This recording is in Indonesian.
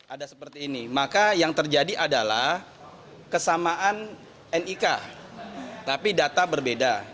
ada seperti ini maka yang terjadi adalah kesamaan nik tapi data berbeda